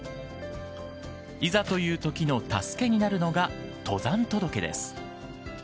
いざというときの助けになるのが登山届です。